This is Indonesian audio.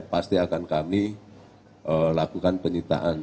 pasti akan kami lakukan penyitaan